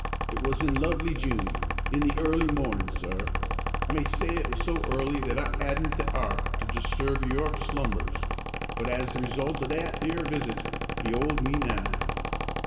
It was in lovely June, in the early mornin', sir. I may say it was so early that I 'adn't the 'eart to disturb your slumbers. But as the result o' that 'ere visit, be'old me now!"